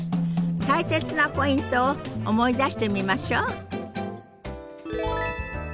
大切なポイントを思い出してみましょう。